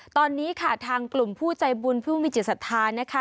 ตอนนี้ค่ะทางกลุ่มผู้ใจบุญผู้มีจิตศรัทธานะคะ